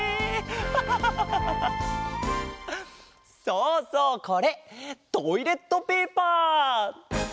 そうそうこれトイレットペーパー！